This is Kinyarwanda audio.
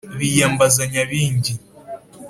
biyambaza nyabingi